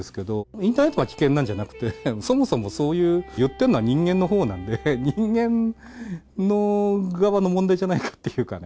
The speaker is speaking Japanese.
インターネットが危険なんじゃなくて、そもそもそういう言ってるのは人間のほうなんで、人間の側の問題じゃないかっていうかね。